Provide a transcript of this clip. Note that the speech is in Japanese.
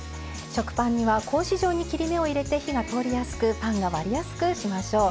食パンには格子状に切り目を入れて火が通りやすくパンが割りやすくしましょう。